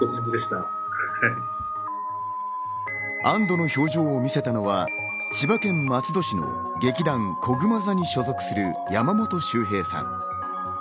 安堵の表情を見せたのは千葉県松戸市の劇団こぐま座に所属する山本周平さん。